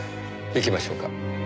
行きましょうか。